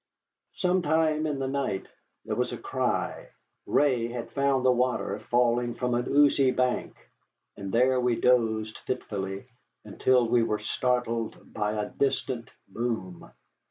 Sometime in the night there was a cry. Ray had found the water falling from an oozy bank, and there we dozed fitfully until we were startled by a distant boom.